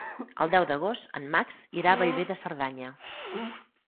El deu d'agost en Max irà a Bellver de Cerdanya.